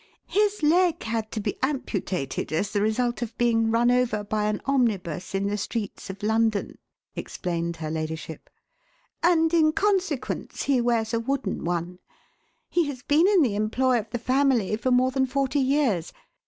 "His leg had to be amputated as the result of being run over by an omnibus in the streets of London," explained her ladyship, "and, in consequence, he wears a wooden one. He has been in the employ of the family for more than forty years.